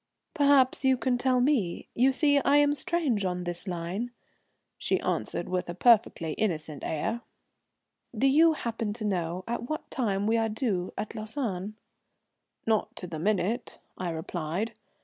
"Perhaps you can tell me, you see I am strange on this line," she answered with a perfectly innocent air, "do you happen to know at what time we are due at Lausanne?" "Not to the minute," I replied.